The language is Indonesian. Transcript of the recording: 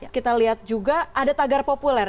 kita lihat juga ada tagar populer